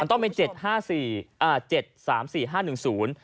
มันต้องเป็น๗๓๔๕๑๐